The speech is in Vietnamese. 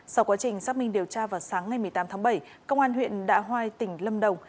sau quá trình xác minh điều tra vào sáng ngày một mươi tám tháng bảy công an huyện đạ hoai tỉnh lâm đồng